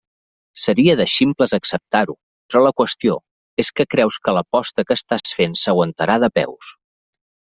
Seria de ximples acceptar-ho, però la qüestió és que creus que l'aposta que estàs fent s'aguantarà de peus.